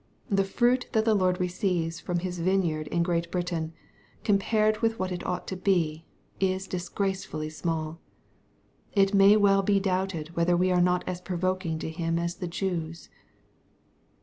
(The fruit that the Lord receives from His vineyard in Great Britain, compared with what it ought to be, is disgracefully small. ^ It may well be doubted whether we are not as provoking to Him as the Jews.